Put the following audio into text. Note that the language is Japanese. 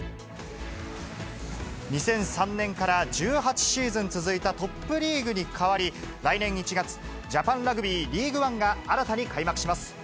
２００３年から１８シーズン続いたトップリーグに代わり、来年１月、ジャパンラグビーリーグワンが新たに開幕します。